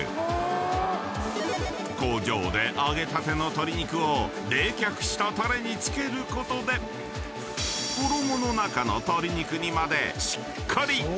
［工場で揚げたての鶏肉を冷却したタレに漬けることで衣の中の］